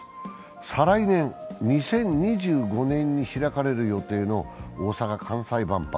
再来年、２０２５年に開かれる予定の大阪・関西万博。